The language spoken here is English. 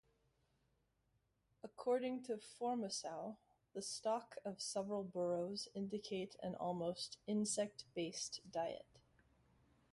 According to Formosow the stock of several burrows indicate an almost insect-based diet.